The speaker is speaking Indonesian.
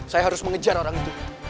saya harus mengejar orang itu